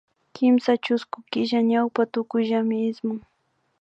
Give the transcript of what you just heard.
Kimsa chusku killa ñawpa tukuyllami ismun